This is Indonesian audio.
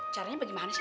caranya bagaimana sih